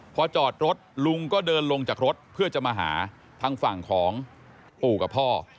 พอจอดรถลุงก็เดินลงจากรถเพื่อจะมาหาทางฝั่งของปู่กับพ่อ